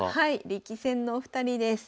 力戦のお二人です。